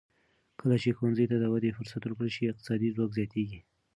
کله چې ښځو ته د ودې فرصت ورکړل شي، اقتصادي ځواک زیاتېږي.